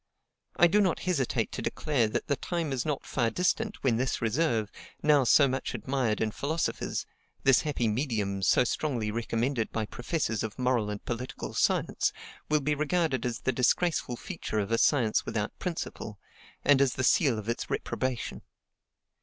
I do not hesitate to declare that the time is not far distant when this reserve, now so much admired in philosophers this happy medium so strongly recommended by professors of moral and political science will be regarded as the disgraceful feature of a science without principle, and as the seal of its reprobation.